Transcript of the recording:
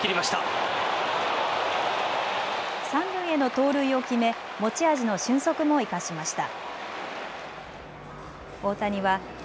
三塁への盗塁を決め持ち味の俊足も生かしました。